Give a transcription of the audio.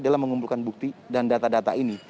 dalam mengumpulkan bukti dan data data ini